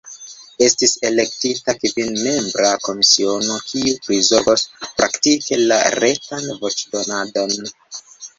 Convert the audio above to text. Estis elektita kvinmembra komisiono, kiu prizorgos praktike la retan voĉdonadon.